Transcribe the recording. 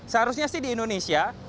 seharusnya sih di indonesia